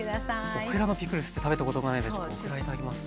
オクラのピクルスって食べたことがないのでちょっとオクラいただきます。